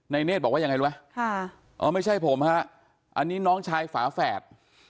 เนธบอกว่ายังไงรู้ไหมไม่ใช่ผมฮะอันนี้น้องชายฝาแฝด